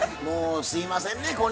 もうすいませんね